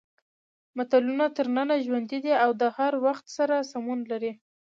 متلونه تر ننه ژوندي دي او د هر وخت سره سمون لري